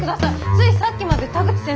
ついさっきまで田口先生が。